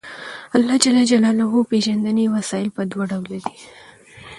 د اللَّهِ ج پيژندنې وسايل په دوه ډوله دي